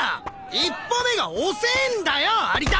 一歩目が遅えんだよ有田！